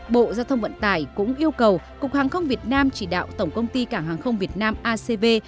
bộ giao thông vận tải cũng yêu cầu cục hàng không việt nam chỉ đạo tổng công ty cảng hàng không việt nam acv